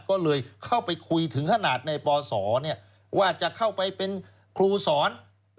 ก็เลยเข้าไปคุยถึงขนาดในปศว่าจะเข้าไปเป็นครูสอน